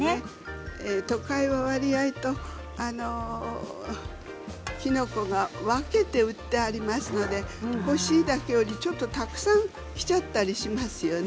都会は割合ときのこが分けて売ってありますので欲しいだけよりちょっとたくさんきちゃったりしますよね。